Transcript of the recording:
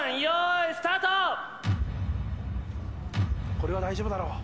これは大丈夫だろう。